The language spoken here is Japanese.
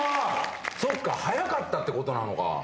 そっか、速かったってことなのか。